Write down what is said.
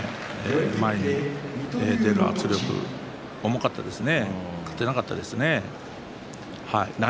前に出る圧力、重かったですね。